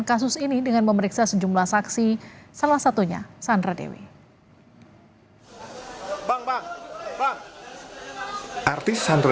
kasus ini dengan memeriksa sejumlah saksi salah satunya sandra dewi bang pak bang artis sandra